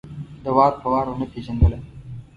ده وار په وار ونه پېژندلم.